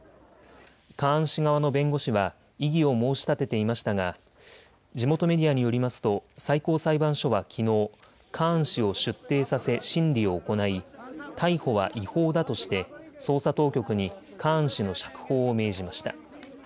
カーン氏側の弁護士は異議を申し立てていましたが地元メディアによりますと最高裁判所はきのう、カーン氏を出廷させ審理を行い逮捕は違法だとして捜査当局にカーン氏の釈放を命じました。